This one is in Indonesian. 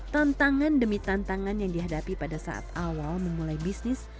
tantangan demi tantangan yang dihadapi pada saat awal memulai bisnis